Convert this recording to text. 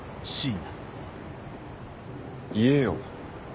言えよ。